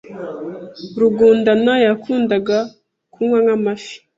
Rugundana yakundaga kunywa nk'amafi.